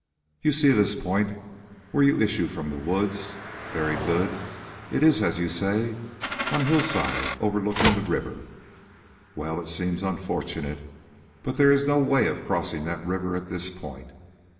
"You see this point where you issue from the woods? Very good; it is, as you say, on a hillside overlooking the river. Well, it seems unfortunate, but there is no way of crossing that river at this point.